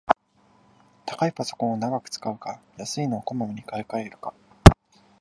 高いパソコンを長く使うか、安いのをこまめに買いかえるか